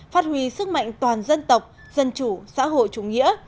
phát huy sức mạnh toàn dân tộc dân chủ xã hội chủ nghĩa